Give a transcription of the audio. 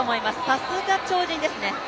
さすが超人ですね。